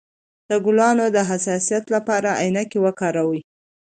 د ګلانو د حساسیت لپاره عینکې وکاروئ